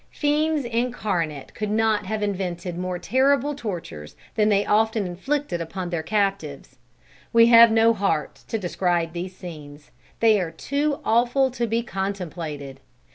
Fiends incarnate could not have invented more terrible tortures than they often inflicted upon their captives. We have no heart to describe these scenes. They are too awful to be contemplated.